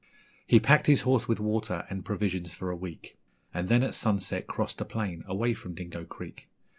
..... He packed his horse with water and provisions for a week, And then, at sunset, crossed the plain, away from Dingo Creek.